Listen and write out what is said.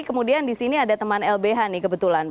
kemudian di sini ada teman lbh nih kebetulan